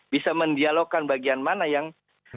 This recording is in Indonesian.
bisa mendialogkan bagian mana yang